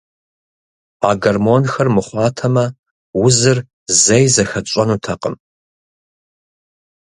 А гормонхэр мыхъуатэмэ, узыр зэи зыхэтщӏэнутэкъым.